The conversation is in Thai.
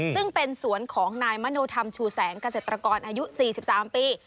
ซึ่งเป็นสวนของนายมโนธรรมชูแสงเกษตรกรอายุ๔๓ปี